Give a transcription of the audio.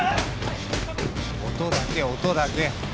音だけ音だけ。